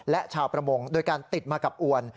และชาวประมงโดยการติดมากับอวน